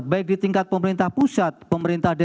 baik di tingkat pemerintah pusat pemerintah dan pemerintah negara